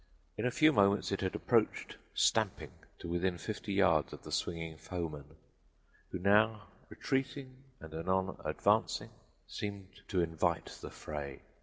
In a few moments it had approached, stamping, to within fifty yards of the swinging foeman, who, now retreating and anon advancing, seemed to invite the fray.